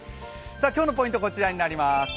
今日のポイント、こちらになります。